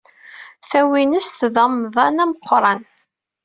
Tawinest d amḍan ameqran.